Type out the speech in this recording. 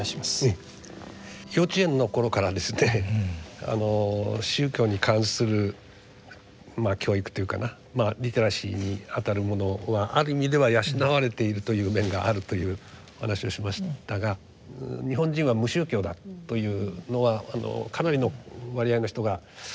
幼稚園の頃から宗教に関する教育というかなリテラシーにあたるものはある意味では養われているという面があるというお話をしましたが日本人は無宗教だというのはかなりの割合の人が同意する。